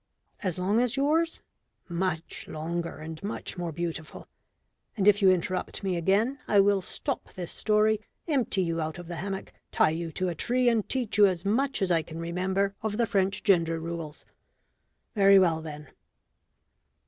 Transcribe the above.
(_As long as yours? Much longer and much more beautiful. And if you interrupt me again, I will stop this story, empty you out of the hammock, tie you to a tree, and teach you as much as I can remember of the French gender rules. Very well, then.